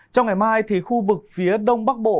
trong ngày mai khu vực phía đông bắc bộ